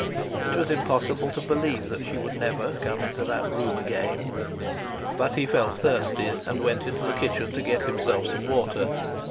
It was impossible to believe that she would never come into that room again. But he felt thirsty, and went into the kitchen to get himself some water.